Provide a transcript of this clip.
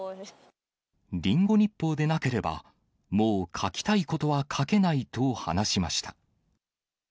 リンゴ日報でなければ、もう書きたいことは書けないと話しました。